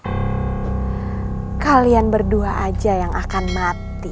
eh kalian berdua aja yang akan mati